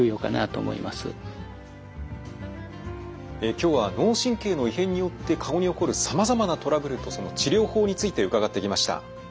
今日は脳神経の異変によって顔に起こるさまざまなトラブルとその治療法について伺ってきました。